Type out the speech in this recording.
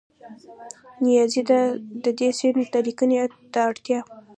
نیازي د دې سیند د لیکنې د اړتیا